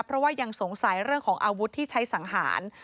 เพราะว่ายังสงสัยเรื่องของอาวุธที่ใช้สังหาร